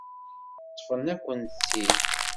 Ṭṭfen-akent-tt-id.